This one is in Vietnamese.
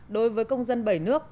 đối với công dân bảy nước